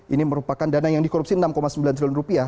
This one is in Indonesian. ini merupakan dana yang dikorupsi enam sembilan triliun rupiah